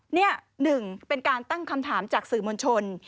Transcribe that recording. นี่หนึ่งเป็นการตั้งคำถามจากสื่อมวลชน